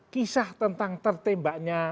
kisah tentang tertembaknya